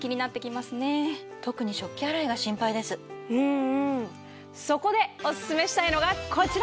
うんうんそこでおススメしたいのがこちら！